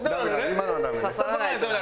今のはダメね。